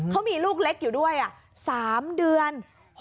เขามีลูกเล็กอยู่ด้วย๓เดือน